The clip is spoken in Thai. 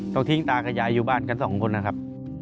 ต้องทิ้งตากระหยายอยู่บ้านของบ้านแก่๒คนครับ